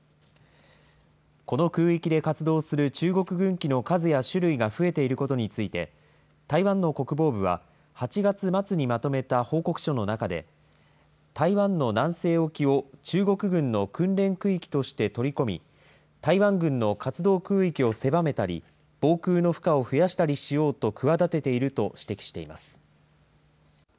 この空域で活動する中国軍機の数や種類が増えていることについて、台湾の国防部は、８月末にまとめた報告書の中で、台湾の南西沖を中国軍の訓練区域として取り込み、台湾軍の活動空域を狭めたり、防空の負荷を増やしたりしようと企てていると指摘しています。